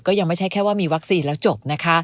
ยังไม่ใช่แค่ว่ามีวัคซีนแล้วจบนะคะ